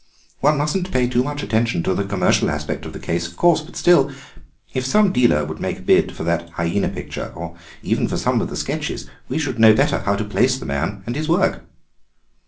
One mustn't pay too much attention to the commercial aspect of the case, of course, but still, if some dealer would make a bid for that hyæna picture, or even for some of the sketches, we should know better how to place the man and his work."